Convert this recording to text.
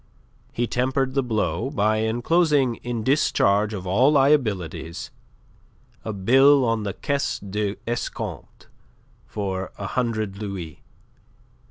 He tempered the blow by enclosing in discharge of all liabilities a bill on the Caisse d'Escompte for a hundred louis.